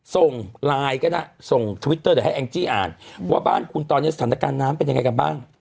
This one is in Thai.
ส่งไลน์ก็ได้ส่งทวิตเตอร์เดี๋ยวให้แองจี้อ่านว่าบ้านคุณตอนนี้สถานการณ์น้ำเป็นยังไงกันบ้าง